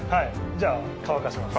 じゃあ、乾かします。